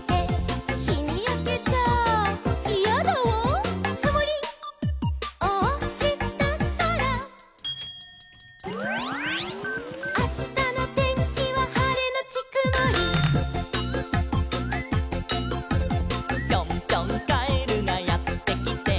「『ひにやけちゃイヤだわ』」「くもりをおしたから」「あしたのてんきははれのちくもり」「ぴょんぴょんカエルがやってきて」